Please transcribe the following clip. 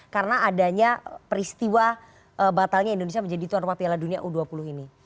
karena adanya peristiwa batalnya indonesia menjadi tuan rumah piala dunia u dua puluh ini